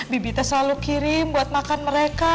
bibi selalu kirim untuk makan mereka